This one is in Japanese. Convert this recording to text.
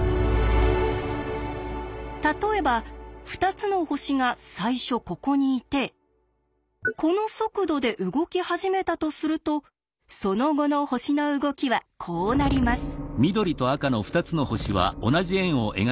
例えば２つの星が最初ここにいてこの速度で動き始めたとするとその後の星の動きはこうなります。